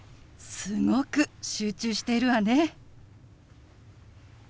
すごく集中しているわね。